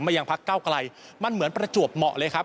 ยังพักเก้าไกลมันเหมือนประจวบเหมาะเลยครับ